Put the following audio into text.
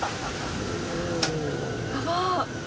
やばっ！